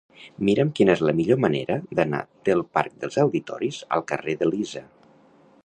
Mira'm quina és la millor manera d'anar del parc dels Auditoris al carrer d'Elisa.